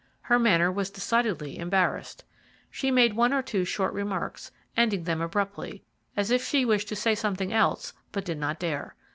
Her manner was decidedly embarrassed. She made one or two short remarks, ending them abruptly, as if she wished to say something else but did not dare.